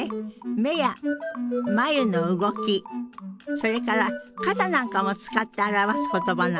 目や眉の動きそれから肩なんかも使って表す言葉なのよ。